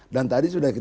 dan tadi sudah kita